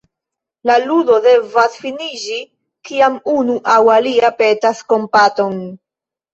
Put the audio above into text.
La ludo devas finiĝi, kiam unu aŭ alia petas kompaton.